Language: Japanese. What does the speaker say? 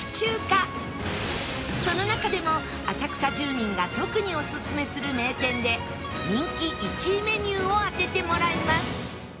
その中でも浅草住民が特におすすめする名店で人気１位メニューを当ててもらいます